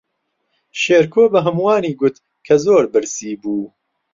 شێرکۆ بە ھەمووانی گوت کە زۆر برسی بوو.